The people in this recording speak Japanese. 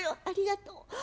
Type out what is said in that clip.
「ありがとう。